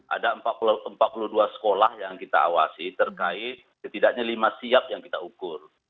ada empat puluh dua sekolah yang kita awasi terkait setidaknya lima siap yang kita ukur